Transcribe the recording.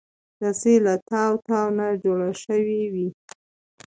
رسۍ له تاو تاو نه جوړه شوې وي.